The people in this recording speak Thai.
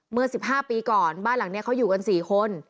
เมื่อสิบห้าปีก่อนบ้านหลังนี้เขาอยู่กันสี่คน